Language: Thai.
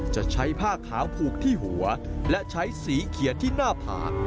จะใช้ผ้าขาวผูกที่หัวและใช้สีเขียนที่หน้าผาก